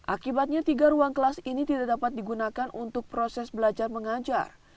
akibatnya tiga ruang kelas ini tidak dapat digunakan untuk proses belajar mengajar